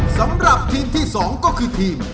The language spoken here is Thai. สำหรับทีมที่๒ก็คือทีม